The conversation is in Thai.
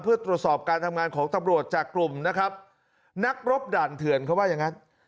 เพื่อตรวจสอบการทำงานของตำรวจจากกลุ่มนะครับนักรบด่านเถื่อนเขาว่าอย่างนั้น